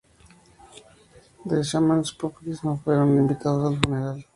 The Smashing Pumpkins no fueron invitados al funeral.